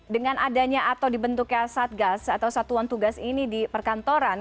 dengan adanya atau dibentuknya satgas atau satuan tugas ini di perkantoran